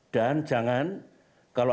dan jangan terlalu lama